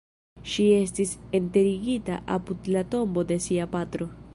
Ŝi estis enterigita apud la tombo de sia patro.